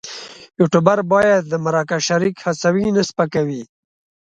یوټوبر باید د مرکه شریک هڅوي نه سپکوي.